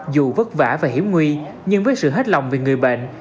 dù vất vả và hiểm nguy nhưng với sự hết lòng về người bệnh